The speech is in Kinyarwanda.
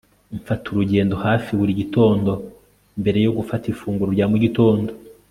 Mfata urugendo hafi buri gitondo mbere yo gufata ifunguro rya mu gitondo